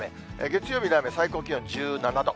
月曜日の雨、最高気温１７度。